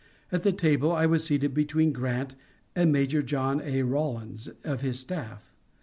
At the table I was seated between Grant and Major John A. Rawlins, of his staff.